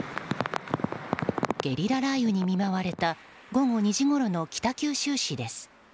ゲリラ雷雨に見舞われた午後２時ごろの北九州市です。